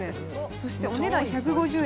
そしてお値段１５０円。